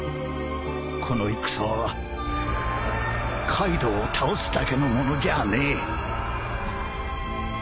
この戦はカイドウを倒すだけのものじゃねえ。